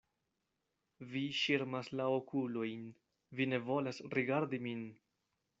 Vi ŝirmas la okulojn, vi ne volas rigardi min!